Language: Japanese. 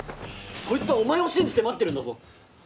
そいつはお前を信じて待ってるんだぞ！